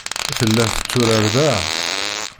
Tella tetturar da.